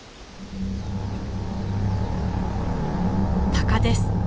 タカです。